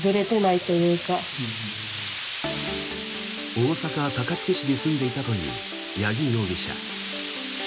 大阪・高槻市に住んでいたという八木容疑者。